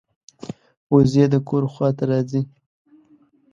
وزې د کور خوا ته راځي